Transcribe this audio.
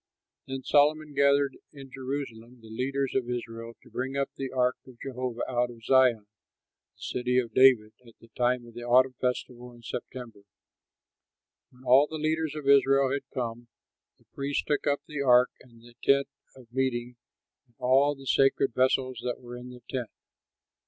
Then Solomon gathered in Jerusalem the leaders of Israel to bring up the ark of Jehovah out of Zion, the City of David, at the time of the autumn festival in September. When all the leaders of Israel had come, the priests took up the ark and the tent of meeting and all the sacred vessels that were in the tent.